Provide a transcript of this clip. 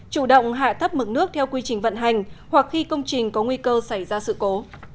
chủ động hạ thấp mực nước theo quy trình vận hành hoặc khi công trình có nguy cơ xảy ra sự cố